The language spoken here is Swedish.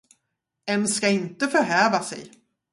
En ska inte förhäva sig.